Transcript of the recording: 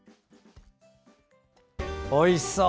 おいしそう。